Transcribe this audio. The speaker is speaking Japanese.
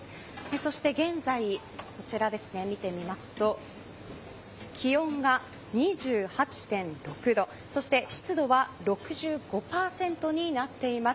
そして現在こちら見てみますと気温が２８．６度そして湿度は６５％になっています。